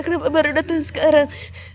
kenapa baru datang sekarang